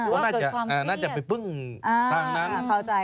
หรือน่าจะไปปึ้งทางนั้น